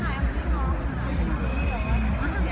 ไม่ทราบเลยครับ